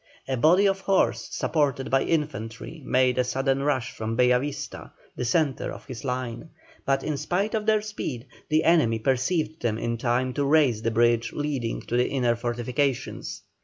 A body of horse supported by infantry made a sudden rush from Bella Vista, the centre of his line, but in spite of their speed, the enemy perceived them in time to raise the bridge leading to the inner fortifications.